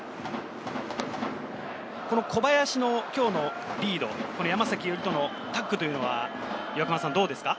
この小林の今日のリード、山崎伊織とのタッグというのは、どうですか？